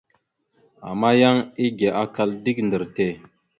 Ama yan ege akal dik ndar tte.